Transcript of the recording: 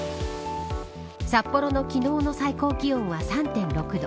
札幌の昨日の最高気温は３．６度。